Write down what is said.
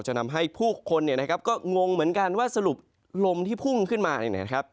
จะทำให้ผู้คนก็งงเหมือนกันว่าสรุปลมที่พุ่งขึ้นมา